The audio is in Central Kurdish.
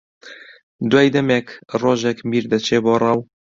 دوای دەمێک ڕۆژێک میر دەچێ بۆ ڕاو